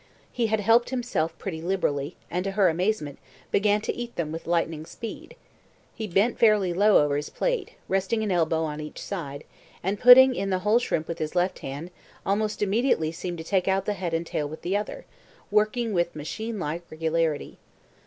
He had helped himself pretty liberally, and, to her amazement, began to eat them with lightning speed. He bent fairly low over his plate, resting an elbow on each side, and, putting in the whole shrimp with his left hand, almost immediately seemed to take out the head and tail with the other, working with machine like regularity.